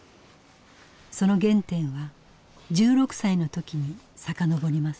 その原点は１６歳の時に遡ります。